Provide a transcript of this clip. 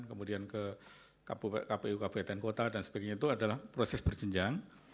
kemudian ke kpu kabupaten kota dan sebagainya itu adalah proses berjenjang